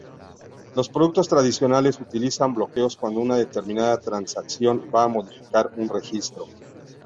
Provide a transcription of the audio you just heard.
Los productos tradicionales utilizan bloqueos cuando una determinada transacción va a modificar un registro.